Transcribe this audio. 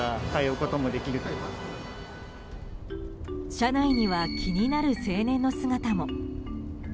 車内には気になる青年の姿も。